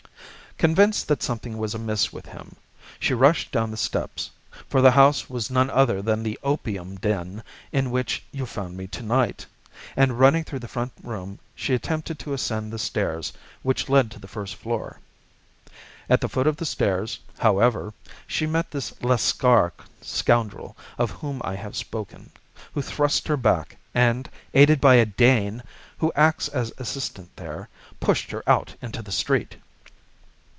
"Convinced that something was amiss with him, she rushed down the steps—for the house was none other than the opium den in which you found me to night—and running through the front room she attempted to ascend the stairs which led to the first floor. At the foot of the stairs, however, she met this Lascar scoundrel of whom I have spoken, who thrust her back and, aided by a Dane, who acts as assistant there, pushed her out into the street.